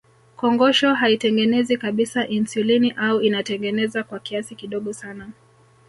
Kongosho haitengenezi kabisa insulini au inatengeneza kwa kiasi kidogo sana